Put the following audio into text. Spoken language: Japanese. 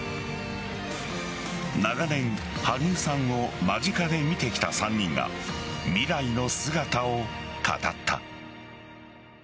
長年、羽生さんを間近で見てきた３人が未来の姿を語った。